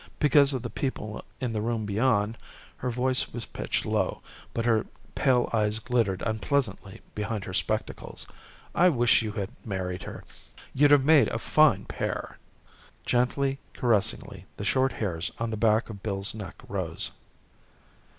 Because of the people in the room beyond, her voice was pitched low, but her pale eyes glittered unpleasantly behind her spectacles. "I wish you had married her. You'd have made a fine pair." Gently, caressingly, the short hairs on the back of Bill's neck rose.